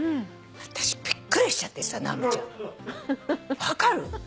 私びっくりしちゃって直美ちゃん。分かる？